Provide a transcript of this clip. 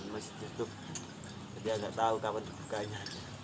masih cukup jadi aku nggak tahu kapan dibukanya